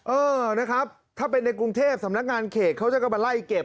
เออนะครับถ้าเป็นในกรุงเทพสำนักงานเขตเขาจะก็มาไล่เก็บ